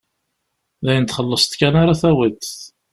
D ayen txellṣeḍ kan ara tawiḍ.